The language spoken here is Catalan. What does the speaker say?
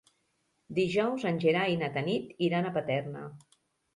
Dijous en Gerai i na Tanit iran a Paterna.